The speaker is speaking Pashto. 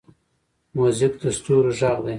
موزیک د ستوریو غږ دی.